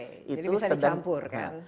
jadi bisa dicampur kan